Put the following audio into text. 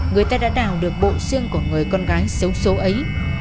người ta đã đào được bộ xương của người con gái xấu xố ấy